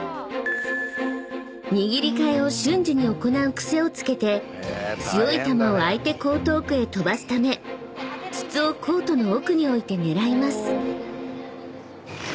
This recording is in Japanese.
［握り替えを瞬時に行う癖をつけて強い球を相手コート奥へ飛ばすため筒をコートの奥に置いて狙います］